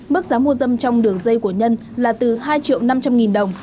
mức giá mua dâm trong đường dây của nhân là từ hai triệu năm trăm linh nghìn đồng